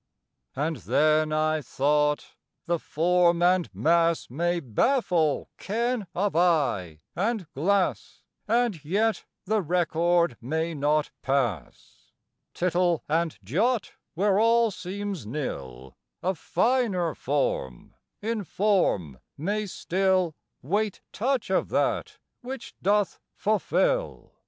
II. And then I thought: The form and mass May baffle ken of eye and glass, And yet the record may not pass. Tittle and jot, where all seems nil, A finer form in form may still Wait touch of that which doth fulfil.